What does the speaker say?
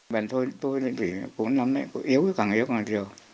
bản thân tôi thì bị bốn năm ấy yếu càng yếu càng nhiều